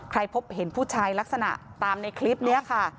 พบเห็นผู้ชายลักษณะตามในคลิปนี้ค่ะ